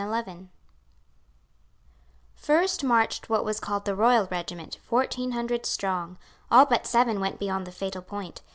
First marched what was called the Royal regiment, fourteen hundred strong. All but seven went beyond the fatal point.